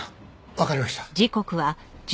わかりました。